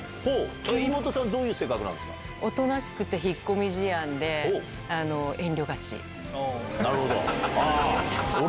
妹さん、どういう性格なんで大人しくて引っ込み思案で、なるほど。